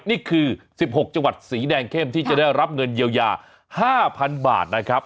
นี่คือ๑๖จังหวัดสีแดงเข้มที่จะได้รับเงินเยียวยา๕๐๐๐บาทนะครับ